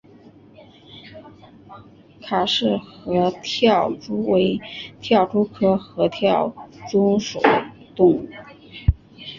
卡氏合跳蛛为跳蛛科合跳蛛属的动物。